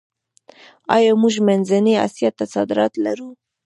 آیا موږ منځنۍ اسیا ته صادرات لرو؟